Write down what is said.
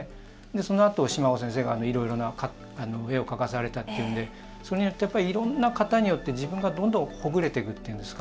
そのあと島尾先生がいろいろな絵を描かされたというのでそれによってやっぱりいろんな型によって自分がどんどんほぐれていくというんですか。